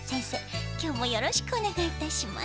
きょうもよろしくおねがいいたします。